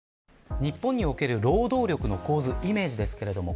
日本における労働力の構図のイメージです。